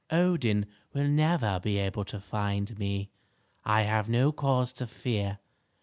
Odin will never be able to find me; I have no cause to fear."